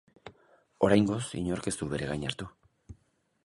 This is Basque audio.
Oraingoz, inork ez du bere gain hartu.